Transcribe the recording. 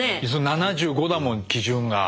７５だもん基準が。